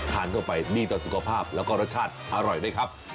ทานเข้าไปดีต่อสุขภาพแล้วก็รสชาติอร่อยด้วยครับ